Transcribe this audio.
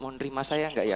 mau nerima saya gak ya